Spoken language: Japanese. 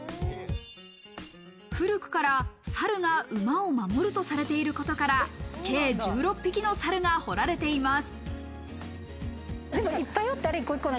古くから猿が馬を守るとされていることから、計１６匹のサルが彫られています。